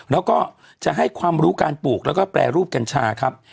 แล้วก็จะให้ความรู้การปลูกแล้วก็แปรรูปกัญชาครับ